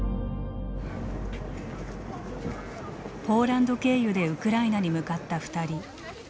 ポーランド経由でウクライナに向かった２人。